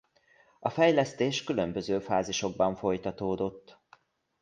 A fejlesztés különböző fázisokban folytatódott.